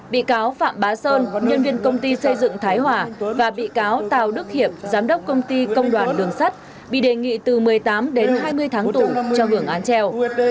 bị cáo phạm bá sơn nhân viên công ty xây dựng thái hòa và bị cáo tào đức hiệp giám đốc công ty công đoàn đường sắt bị đề nghị từ một mươi tám đến hai mươi tháng tù cho hưởng án treo